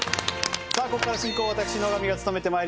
さあここからは進行を私野上が務めて参ります。